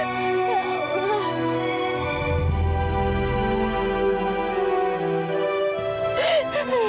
tidak ini tidak mungkin